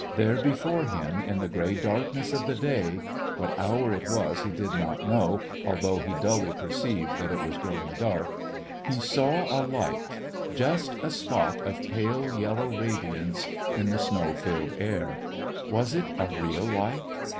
There before him, in the gray dark ness of the day — what hour it was he did not know, although he dully perceived that it was growing dark — he saw a light, just a spot of pale A Christmas When yellow radiance in the snow filled air. Was it a real light?